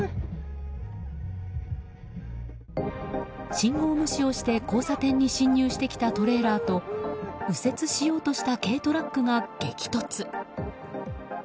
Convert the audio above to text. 信号無視をして、交差点に進入してきたトレーラーと右折しようとした軽トラックが激突。